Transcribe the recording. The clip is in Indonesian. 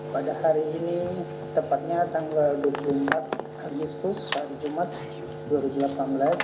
pada hari ini tepatnya tanggal dua puluh empat agustus hari jumat dua ribu delapan belas